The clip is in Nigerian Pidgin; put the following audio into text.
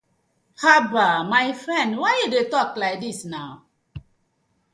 Habbah my friend why yu dey tok like dis na.